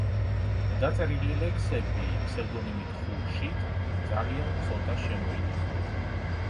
დაწერილი ლექსები ფსევდონიმით „ხურშიდ“ ძალიან ცოტა შემოინახა.